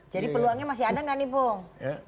jadi peluangnya masih ada nggak nih pung